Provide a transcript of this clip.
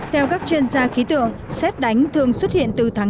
theo các chuyên gia khí tượng xét đánh thường xuất hiện từ tháng bốn